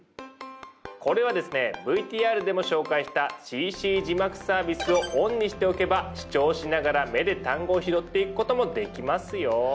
これはですねＶＴＲでも紹介したＣＣ字幕サービスをオンにしておけば視聴しながら目で単語を拾っていくこともできますよ。